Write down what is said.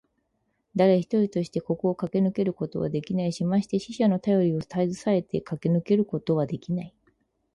だれ一人としてここをかけ抜けることはできないし、まして死者のたよりをたずさえてかけ抜けることはできない。